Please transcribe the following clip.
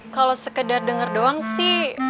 kalau sekedar dengar doang sih